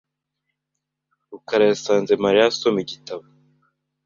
rukara yasanze Mariya asoma igitabo .